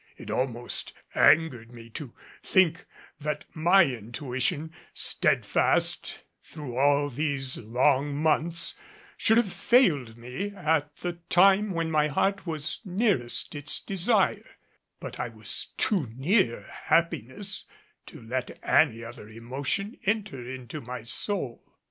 It almost angered me to think that my intuition, steadfast through all these long months, should have failed me at the time when my heart was nearest its desire; but I was too near happiness to let any other emotion enter into my soul.